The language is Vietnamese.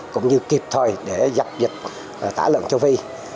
cũng như kịp thời để dập dịch tả lợn châu phi